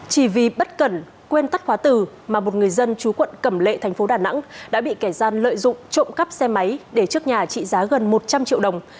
chỉ vì bất cẩn quên tắt khóa từ mà một người dân chú quận cẩm lệ thành phố đà nẵng đã bị kẻ gian lợi dụng trộm cắp xe máy để trước nhà trị giá gần một trăm linh triệu đồng